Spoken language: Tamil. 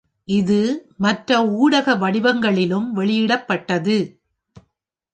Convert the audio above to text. இது மற்ற ஊடக வடிவங்களிலும் வெளியிடப்பட்டது.